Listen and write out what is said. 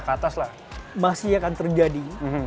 ke atas lah masih akan terjadi